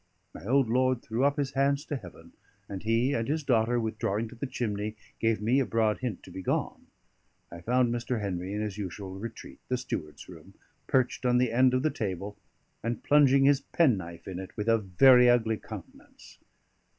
My old lord threw up his hands to Heaven, and he and his daughter, withdrawing to the chimney, gave me a broad hint to be gone. I found Mr. Henry in his usual retreat, the steward's room, perched on the end of the table, and plunging his penknife in it with a very ugly countenance.